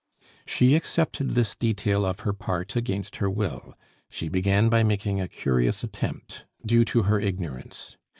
She accepted this detail of her part against her will; she began by making a curious attempt, due to her ignorance.